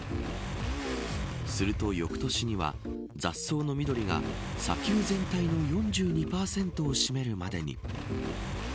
すると翌年には、雑草の緑が砂丘全体の４２％を占めるまでに。